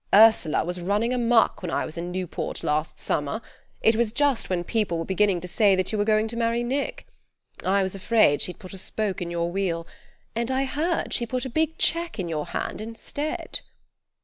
Ursula was running amuck when I was in Newport last Summer; it was just when people were beginning to say that you were going to marry Nick. I was afraid she'd put a spoke in your wheel; and I hear she put a big cheque in your hand instead."